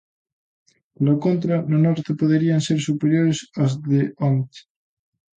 Pola contra, no norte poderían ser superiores ás de onte.